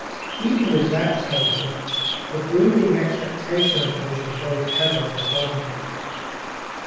Even with that, however, the brooding expectation of the vigil weighed heavily enough upon me.